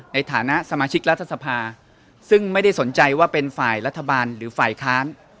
ในฐานะสมาชิกรัฐสภาซึ่งไม่ได้สนใจว่าเป็นฝ่ายรัฐบาลหรือฝ่ายค้าน